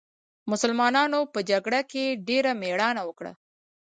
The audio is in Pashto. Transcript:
مسلمانانو په جګړه کې ډېره مېړانه وکړه.